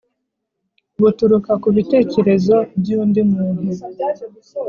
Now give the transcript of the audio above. buturuka ku bitekerezo by'undi muntu